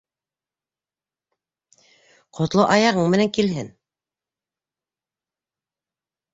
Ҡотло аяғы менән килһен!